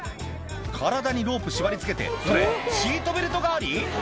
体にロープ縛り付けてそれシートベルト代わり？